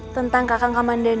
tentang kakak kamandan